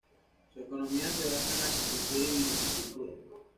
Su economía se basa en la agricultura y viticultura.